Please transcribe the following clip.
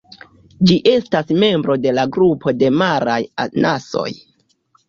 Ĝi estas membro de la grupo de maraj anasoj.